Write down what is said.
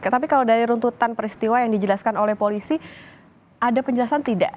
tapi kalau dari runtutan peristiwa yang dijelaskan oleh polisi ada penjelasan tidak